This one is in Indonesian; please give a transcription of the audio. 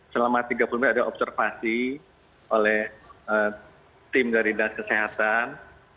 selama tiga puluh menit ada observasi oleh tim dari dinas kesehatan